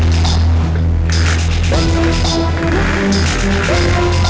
mereka kan yang maling kita sejarah